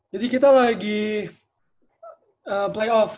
jadi kita lagi play off